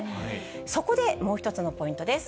そこでもう１つのポイントです。